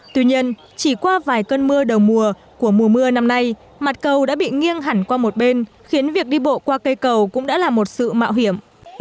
tuy nhiên chỉ qua vài cơn mưa đầu mùa của mùa mưa năm nay mặt cầu đã bị nghiêng hẳn qua một bên khiến việc đi bộ qua cây cầu cũng đã là một sự mạo hiểm